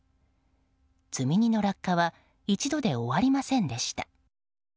積み荷の落下は一度で終わりませんでした。